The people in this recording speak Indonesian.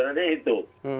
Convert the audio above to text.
karena pada waktu